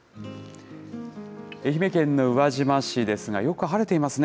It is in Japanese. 愛媛県の宇和島市ですが、よく晴れていますね。